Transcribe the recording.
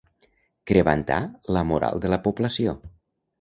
Crebantar la moral de la població.